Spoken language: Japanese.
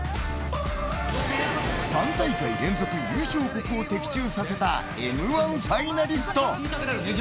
３大会連続優勝国を的中させた「Ｍ‐１」ファイナリスト。